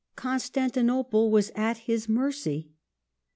Constantinople was at his mercy.